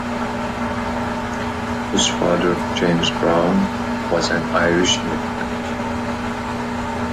His father, James Brown, was an Irish immigrant.